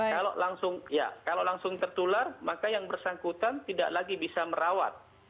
kalau langsung tertular maka yang bersangkutan tidak lagi bisa merawat